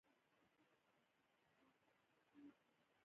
زردالو د افغان کلتور او لرغونو دودونو سره تړاو لري.